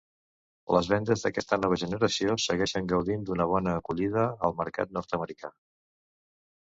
Les vendes d'aquesta nova generació segueixen gaudint d'una bona acollida al mercat nord-americà.